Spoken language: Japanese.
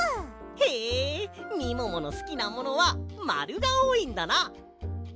へえみもものすきなものはまるがおおいんだな。